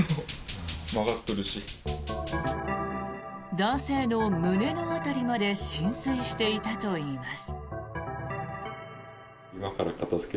男性の胸の辺りまで浸水していたといいます。